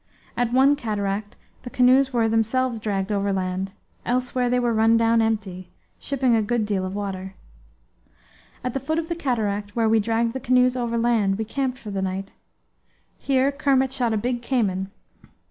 At one cataract the canoes were themselves dragged overland; elsewhere they were run down empty, shipping a good deal of water. At the foot of the cataract, where we dragged the canoes overland, we camped for the night. Here Kermit shot a big cayman.